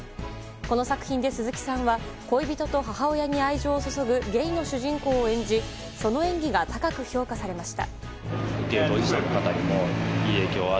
この作品で鈴木さんは恋人と母親に愛情を注ぐゲイの主人公を演じその演技が高く評価されました。